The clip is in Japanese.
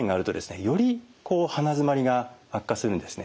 より鼻づまりが悪化するんですね。